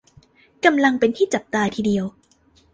กำลังเป็นที่จับตาทีเดียว